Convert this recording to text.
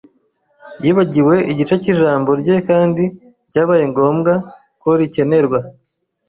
Yibagiwe igice cyijambo rye kandi byabaye ngombwa korikenerwa